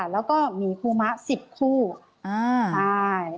แล้วก็หมีคู่มะ๑๐คู่ใช่